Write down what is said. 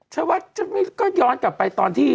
ชะวัดก็ย้อนกลับไปตอนที่